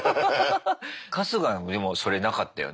春日でもそれなかったよな。